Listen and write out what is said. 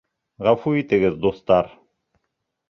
Ғәфү итегеҙ, дуҫтар.